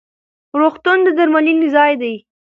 روغتون د درملنې ځای دی